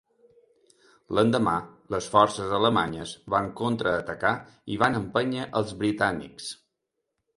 L'endemà, les forces alemanyes van contraatacar i van empènyer als britànics.